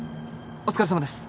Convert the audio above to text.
お疲れさまです。